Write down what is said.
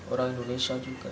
orang indonesia juga